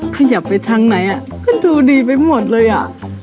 ขยับไปทางไหนอ่ะก็ดูดีไปหมดเลยอ่ะ